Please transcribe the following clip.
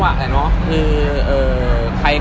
เกฟมีแล้วเหรอคะเกฟ